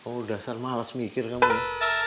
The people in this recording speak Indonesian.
oh dasar malas mikir kamu ya